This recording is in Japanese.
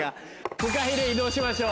フカヒレ移動しましょう。